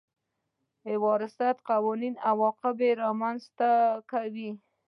وراثت قوانين عواقب رامنځ ته کوي.